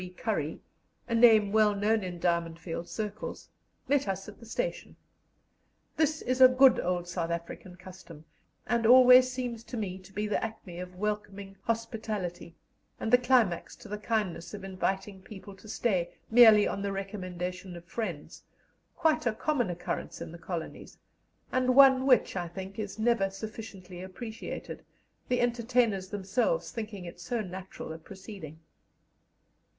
B. Currey, a name well known in Diamond Field circles, met us at the station. This is a good old South African custom, and always seems to me to be the acme of welcoming hospitality, and the climax to the kindness of inviting people to stay, merely on the recommendation of friends quite a common occurrence in the colonies, and one which, I think, is never sufficiently appreciated, the entertainers themselves thinking it so natural a proceeding.